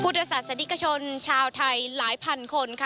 พุทธศาสตร์สนิกชนชาวไทยหลายพันคน